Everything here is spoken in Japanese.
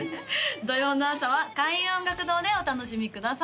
土曜の朝は開運音楽堂でお楽しみください